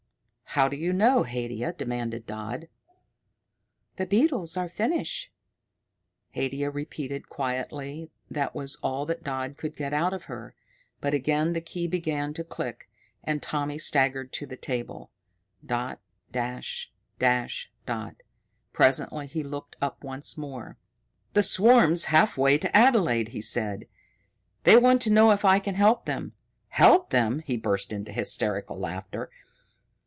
"How d'you know, Haidia?" demanded Dodd. "The beetles are finish," Haidia repeated quietly, and that was all that Dodd could get out of her. But again the key began to click, and Tommy staggered to the table. Dot dash dash dot. Presently he looked up once more. "The swarm's halfway to Adelaide," he said. "They want to know if I can help them. Help them!" He burst into hysterical laughter.